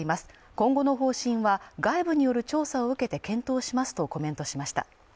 今後の方針は外部による調査を受けて検討しますとコメントしました